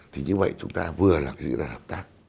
thì như vậy chúng ta vừa là cái dự đoàn hợp tác